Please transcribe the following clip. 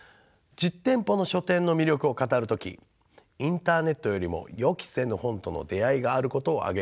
実店舗の書店の魅力を語る時インターネットよりも予期せぬ本との出会いがあることを挙げる